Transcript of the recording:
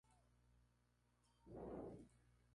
Licia es una península escarpada y boscosa.